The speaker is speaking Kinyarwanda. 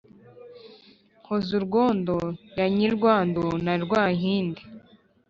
nkoze urwondo ya nyirwangu na rwankindi,